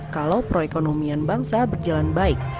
kalau perekonomian bangsa berjalan baik